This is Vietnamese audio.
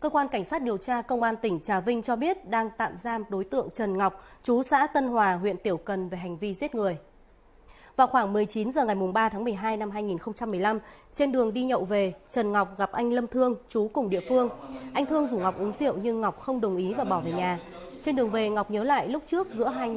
các bạn hãy đăng kí cho kênh lalaschool để không bỏ lỡ những video hấp dẫn